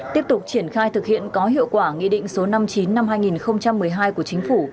tiếp tục triển khai thực hiện có hiệu quả nghị định số năm mươi chín năm hai nghìn một mươi hai của chính phủ